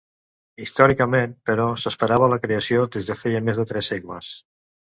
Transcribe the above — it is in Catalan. Històricament, però, s'esperava la creació des de feia més de tres segles.